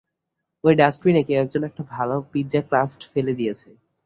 ওই ডাস্টবিনে কেউ একজন একটা ভালো পিজ্জা ক্রাস্ট ফেলে দিয়েছে।